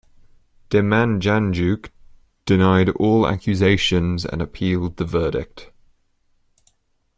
Demjanjuk denied all accusations and appealed the verdict.